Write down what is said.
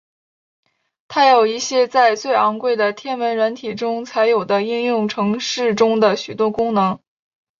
它有一些在最昂贵的天文软体中才有的应用程式中的许多功能。